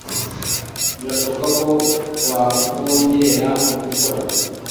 Birashoboka ko twakongera gukora